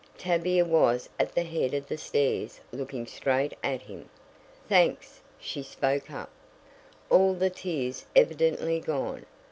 Tavia was at the head of the stairs looking straight at him. "Thanks!" she spoke up, all the tears evidently gone.